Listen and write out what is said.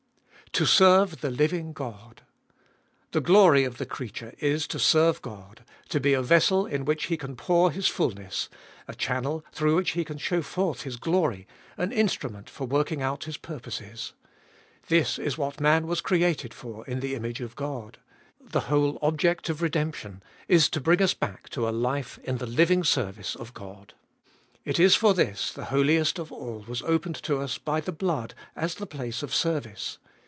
To serve the living God ! The glory of the creature is to serve God, to be a vessel in which He can pour His fulness, a channel through which He can show forth His glory, an instrument for working out His purposes. This was what man was created for in the image of God. The whole object of redemption is to bring us back to a life in the living service of God. It is for this the Holiest of All was opened to us by the blood as the place of service.